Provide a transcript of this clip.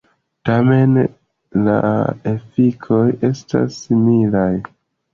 Tamen la efikoj estas similaj.